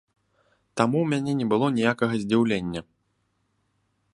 Таму ў мяне не было ніякага здзіўлення.